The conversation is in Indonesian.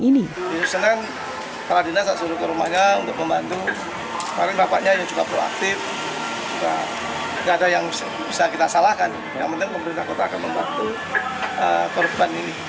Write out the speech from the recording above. yang diperkenalkan oleh siamang ini